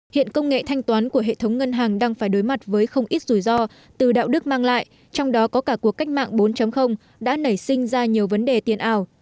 hiện công nghệ thanh toán của hệ thống ngân hàng đang phải đối mặt với không ít rủi ro từ đạo đức mang lại trong đó có cả cuộc cách mạng bốn đã nảy sinh ra nhiều vấn đề tiền ảo